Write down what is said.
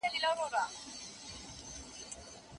لويي امپراطورۍ نړي سوي دي